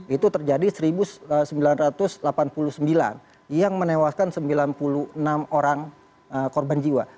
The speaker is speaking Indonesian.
itu terjadi seribu sembilan ratus delapan puluh sembilan yang menewaskan sembilan puluh enam orang korban jiwa